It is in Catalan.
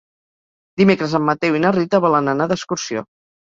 Dimecres en Mateu i na Rita volen anar d'excursió.